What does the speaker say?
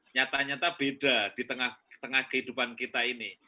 nyata nyata beda di tengah kehidupan kita ini